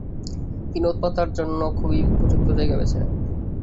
তিনি ওঁৎ পাতার জন্য খুবই উপযুক্ত জায়গা বেছে নেন।